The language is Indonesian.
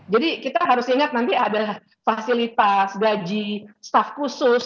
jadi kita harus ingat nanti ada fasilitas gaji staff khusus